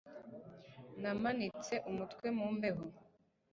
Namanitse umutwe mu mbeho